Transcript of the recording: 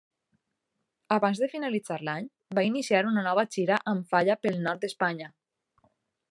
Abans de finalitzar l'any, va iniciar una nova gira amb Falla pel nord d'Espanya.